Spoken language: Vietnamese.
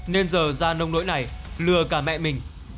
nên giờ gia nông nỗi này lừa cả mẹ mình